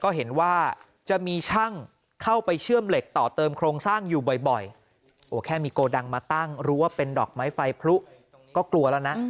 ก็เห็นว่าจะมีช่างเข้าไปเชื่อมเหล็กต่อเติมโครงสร้างอยู่บ่อยโอ้แค่มีโกดังมาตั้งรู้ว่าเป็นดอกไม้ไฟพลุก็กลัวแล้วนะ